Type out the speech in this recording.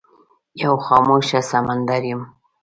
یو خاموشه سمندر یم